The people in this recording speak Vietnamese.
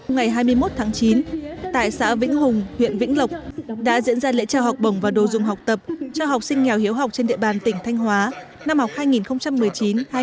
ngày hai mươi một tháng chín tại xã vĩnh hùng huyện vĩnh lộc đã diễn ra lễ trao học bổng và đồ dùng học tập cho học sinh nghèo hiếu học trên địa bàn tỉnh thanh hóa năm học hai nghìn một mươi chín hai nghìn hai mươi